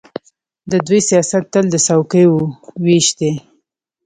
د دوی سیاست تل د څوکۍو وېش دی.